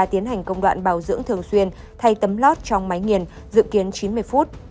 tiến hành công đoạn bảo dưỡng thường xuyên thay tấm lót trong máy nghiền dự kiến chín mươi phút